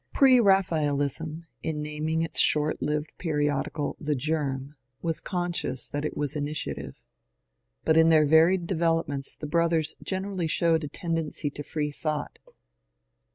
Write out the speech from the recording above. Preraphaelism, in naming its short lived periodical ^^ The Germ," was conscious that it was initiative. But in their varied developments the Brothers generally showed a tendency to freethought.